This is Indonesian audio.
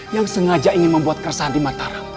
yang sengaja ingin membuat keresahan di mataram